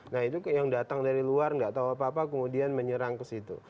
nah itu yang datang dari luar nggak tahu apa apa kemudian menyerang ke situ